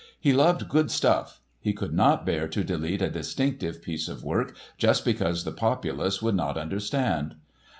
He loved "good stuff"; he could not bear to delete a distinctive piece of work just because the populace would not understand.